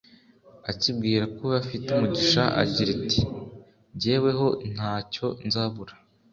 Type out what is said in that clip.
akibwira ko we afite umugisha agira ati jyeweho nta cyo nzabura